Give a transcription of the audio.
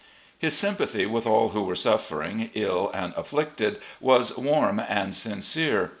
His sympathy with all who were suffering, ill, and afflicted was warm and sincere.